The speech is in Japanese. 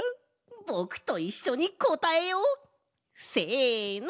ぼくといっしょにこたえよう！せの！